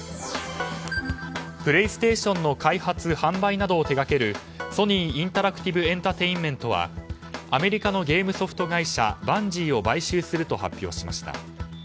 プレイステーションの開発・販売などを手掛けるソニー・インタラクティブエンタテインメントはアメリカのゲームソフト会社バンジーを買収すると発表しました。